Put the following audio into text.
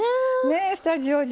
スタジオ中。